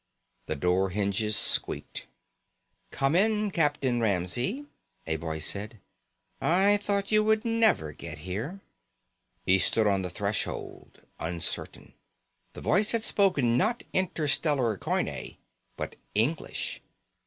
The door hinges squeaked. "Come in, Captain Ramsey," a voice said. "I thought you would never get here." He stood on the threshold, uncertain. The voice had spoken not Interstellar Coine, but English.